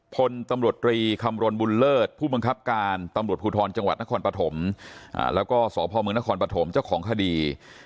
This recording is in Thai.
พลตำรวจตรีคำรณบุญเลิศผู้บังคับการตำรวจภูทรจังหวัดนครปฐมแล้วก็สพมนครปฐมเจ้าของคดี